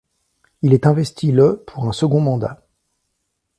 Il est investi le pour un second mandat.